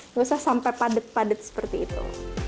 nggak usah sampai padat padat seperti itu